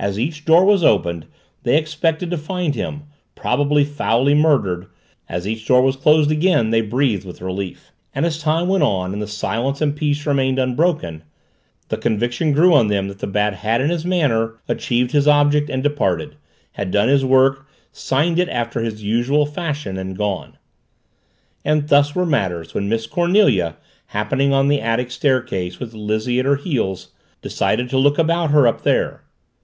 As each door was opened they expected to find him, probably foully murdered; as each door was closed again they breathed with relief. And as time went on and the silence and peace remained unbroken, the conviction grew on them that the Bat had in this manner achieved his object and departed; had done his work, signed it after his usual fashion, and gone. And thus were matters when Miss Cornelia, happening on the attic staircase with Lizzie at her heels, decided to look about her up there.